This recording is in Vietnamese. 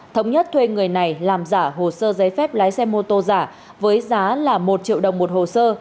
thống nhất thuê người này làm giả hồ sơ giấy phép lái xe mô tô giả với giá là một triệu đồng một hồ sơ